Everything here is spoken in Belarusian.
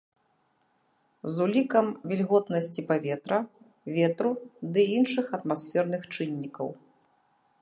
З улікам вільготнасці паветра, ветру ды іншых атмасферных чыннікаў.